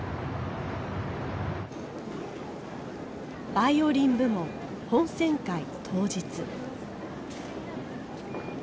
バイオリン部門本選会当日。